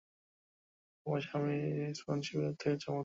তোমার স্বামীর স্পেসশিপের থেকেও চমৎকার?